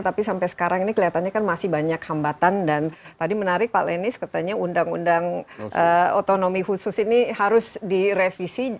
tapi sampai sekarang ini kelihatannya kan masih banyak hambatan dan tadi menarik pak lenis katanya undang undang otonomi khusus ini harus direvisi